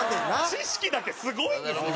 知識だけすごいんです今。